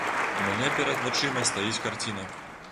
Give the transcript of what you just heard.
У мяне перад вачыма стаіць карціна.